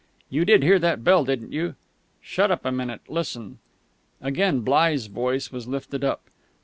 You did hear that bell, didn't you?" "Shut up a minute listen " Again Bligh's voice was lifted up.